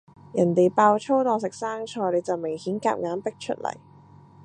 人哋爆粗當食生菜，你就明顯夾硬逼出嚟